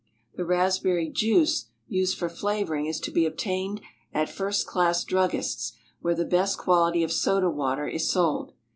The raspberry juice used for flavoring is to be obtained at first class druggists', where the best quality of soda water is sold.